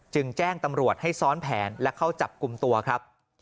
จึงแจ้งตำรวจให้ซ้อนแผนและเข้าจับกลุ่มตัวครับ